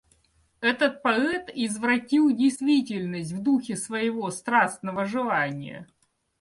Этот поэт извратил действительность в духе своего страстного желания.